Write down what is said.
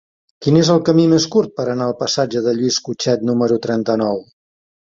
Quin és el camí més curt per anar al passatge de Lluís Cutchet número trenta-nou?